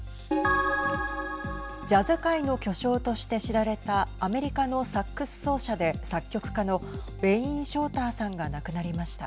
ジャズ界の巨匠として知られたアメリカのサックス奏者で作曲家のウェイン・ショーターさんが亡くなりました。